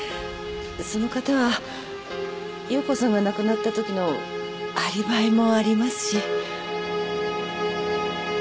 その方は夕子さんが亡くなったときのアリバイもありますし。